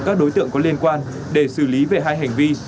các đối tượng có liên quan để xử lý về hai hành vi